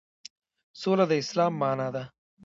سوله د اسلام معنی ده